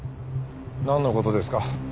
なんの事ですか？